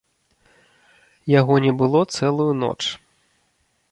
Яго не было цэлую ноч.